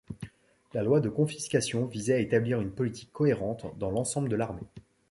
La Loi de Confiscation visait à établir une politique cohérente dans l'ensemble de l'armée.